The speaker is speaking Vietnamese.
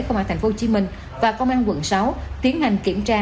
không hạ thành phố hồ chí minh và công an quận sáu tiến hành kiểm tra